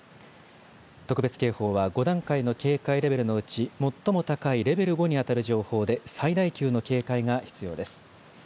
特別警報は５段階の警戒レベルのうち最も高いレベル５に当たる情報で、最大級の警戒が必要です。